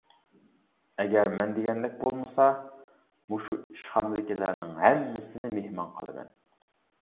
ئەگەر مەن دېگەندەك بولمىسا، مۇشۇ ئىشخانىدىكىلەرنىڭ ھەممىسىنى مېھمان قىلىمەن.